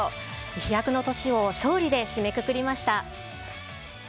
飛躍の年を勝利で締めくくりました。